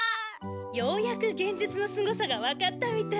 ようやく幻術のすごさがわかったみたい。